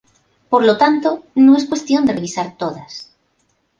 Por lo tanto, no es cuestión de revisar todas.